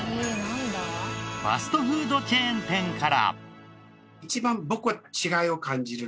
ファストフードチェーン店から。